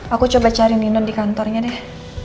aku coba cari minum di kantornya deh